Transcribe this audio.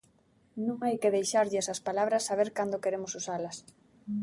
Non hai que deixarlles ás palabras saber cando queremos usalas.